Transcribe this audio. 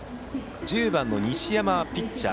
１０番の西山はピッチャー。